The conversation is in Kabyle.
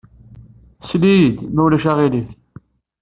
Ales-iyi-d, ma ulac aɣilif.